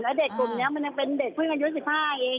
แล้วเด็กกลุ่มนี้มันยังเป็นเด็กเพิ่งอายุ๑๕เอง